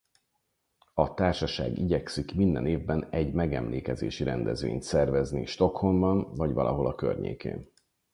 A társaság igyekszik minden évben egy megemlékezési rendezvényt szervezni Stockholmban vagy valahol a környékén.